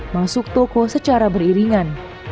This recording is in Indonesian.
masuk toko secara beriringan